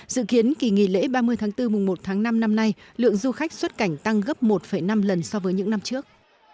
dự kiến kỳ nghỉ lễ ba mươi tháng bốn mùng một tháng năm năm nay lượng du khách xuất cảnh tăng gấp một năm lần so với những năm trước